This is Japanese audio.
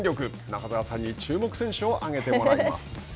中澤さんに注目選手を挙げてもらいます。